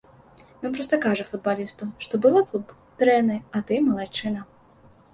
Ён проста кажа футбалісту, што былы клуб дрэнны, а ты малайчына.